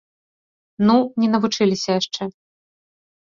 Ну, не навучыліся яшчэ.